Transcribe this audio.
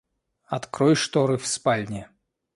Открой шторы в спальне.